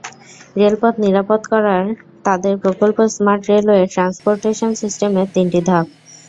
রেলপথ নিরাপদ করার তাদের প্রকল্প স্মার্ট রেলওয়ে ট্রান্সপোর্টেশন সিস্টেমের তিনটি ধাপ।